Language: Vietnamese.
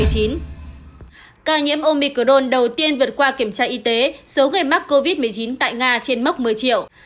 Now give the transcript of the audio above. ca nhiễm omicron đầu tiên vượt qua kiểm tra y tế số người mắc covid một mươi chín tại nga trên mốc một mươi triệu